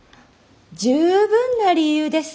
十分な理由です。